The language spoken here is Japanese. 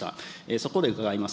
そこで伺います。